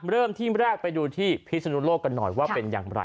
เริ่มที่แรกไปดูที่พิศนุโลกกันหน่อยว่าเป็นอย่างไร